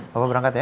bapak berangkat ya